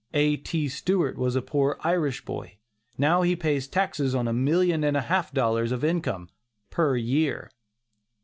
A. T. Stewart was a poor Irish boy; now he pays taxes on a million and a half dollars of income, per year.